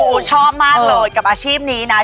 โอ้โหชอบมากเลยกับอาชีพนี้นะ